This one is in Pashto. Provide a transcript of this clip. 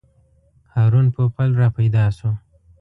هارون پوپل راپیدا شو.